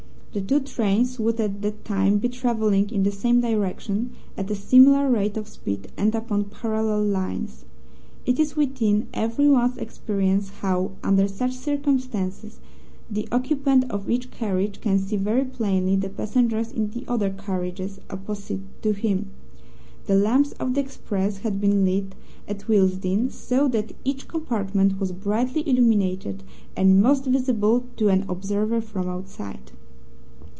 The two trains would at that time be travelling in the same direction at a similar rate of speed and upon parallel lines. It is within every one's experience how, under such circumstances, the occupant of each carriage can see very plainly the passengers in the other carriages opposite to him. The lamps of the express had been lit at Willesden, so that each compartment was brightly illuminated, and most visible to an observer from outside.